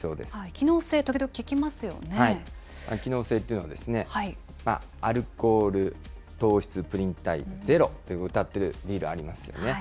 機能性、機能性というのは、アルコール、糖質、プリン体ゼロとうたっているビールありますよね。